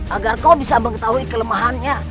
agar kau bisa mengetahui kelemahannya